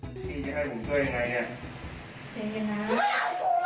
ใจเย็นนะครับใจเย็นนะครับใจเย็นใจเย็น